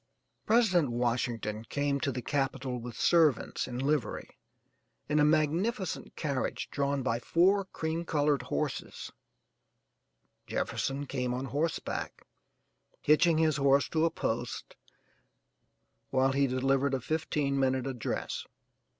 President Washington came to the capitol with servants in livery, in a magnificent carriage drawn by four cream colored horses, Jefferson came on horseback, hitching his horse to a post while he delivered a fifteen minute address.